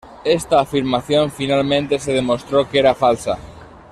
Esta afirmación finalmente se demostró que era falsa.